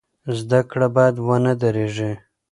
زده کړه باید ونه دریږي.